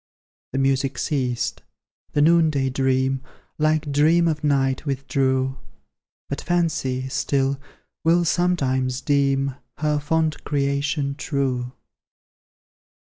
The music ceased; the noonday dream, Like dream of night, withdrew; But Fancy, still, will sometimes deem Her fond creation true.